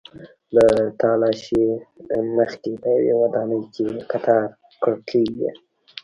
له تالاشۍ مخکې په یوې ودانۍ کې کتار کړکۍ وې.